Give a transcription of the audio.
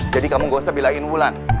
jadi kamu gak usah bilangin wulan